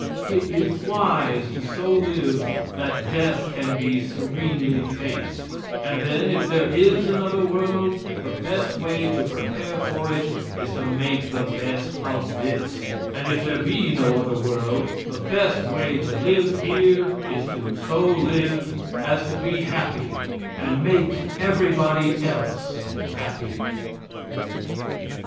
It is wise to so live that death can be serenely faced, and then, if there is another world, the best way to prepare for it is to make the best of this; and if there be no other world, the best way to live here is to so live as to be happy and make everybody else happy.